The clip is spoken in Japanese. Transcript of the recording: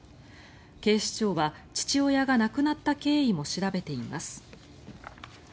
警視庁は父親が亡くなった経緯も調べています。